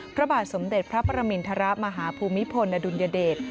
พระบาทสมเด็จพระประมินทรมาฮภูมิพลอดุลยเดช